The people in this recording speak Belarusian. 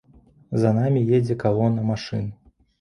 За намі едзе калона машын.